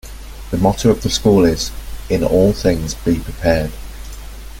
The motto of the school is "in all things be prepared".